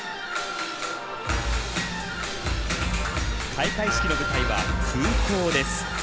開会式の舞台は空港です。